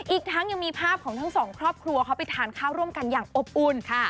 อีกทั้งยังมีภาพของทั้งสองครอบครัวเขาไปทานข้าวร่วมกันอย่างอบอุ่นค่ะ